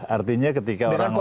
artinya ketika orang lain